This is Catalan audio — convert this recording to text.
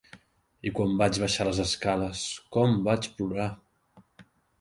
I quan vaig baixar les escales, com vaig plorar!